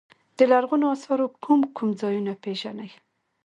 د لرغونو اثارو کوم کوم ځایونه پيژنئ.